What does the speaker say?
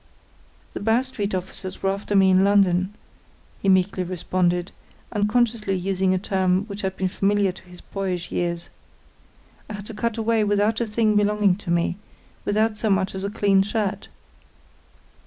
"The Bow street officers were after me in London," he meekly responded, unconsciously using a term which had been familiar to his boyish years. "I had to cut away without a thing belonging to me, without so much as a clean shirt."